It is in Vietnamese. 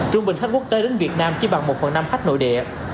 trung bình khách quốc tế đến việt nam chỉ bằng một phần năm khách nội địa